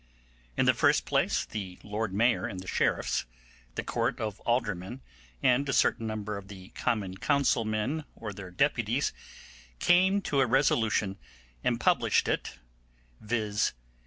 In the first place, the Lord Mayor and the sheriffs, the Court of Aldermen, and a certain number of the Common Council men, or their deputies, came to a resolution and published it, viz.